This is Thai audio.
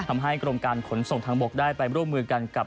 ทำให้กรมการขนส่งทางบกได้ไปร่วมมือกันกับ